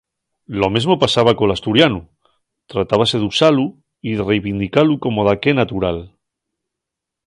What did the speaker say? Lo mesmo pasaba col asturianu, tratábase d'usalu y de reivindicalu como daqué natural.